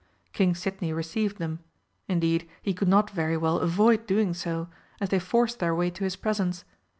King Sidney received them, indeed he could not very well avoid doing so, as they forced their way to his presence.